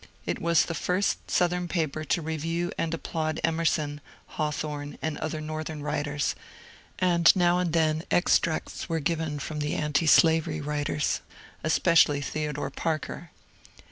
It was the first Southern paper to review and applaud Emerson, Hawthorne, and other Northern writers, and now and then extracts were g^ven from the antislavery writers, especially Theodore Parker.